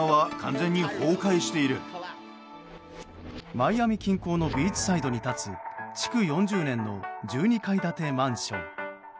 マイアミ近郊のビーチサイドに立つ築４０年の１２階建てマンション。